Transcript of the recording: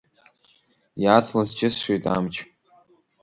Иацлаз џьысшьоит амч…